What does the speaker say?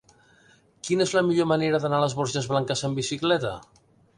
Quina és la millor manera d'anar a les Borges Blanques amb bicicleta?